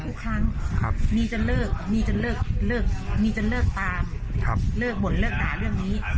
ทุกครั้งครับมีจนเลิกมีจนเลิกเลิกมีจนเลิกตามครับเลิกบ่นเลิกด่าเรื่องนี้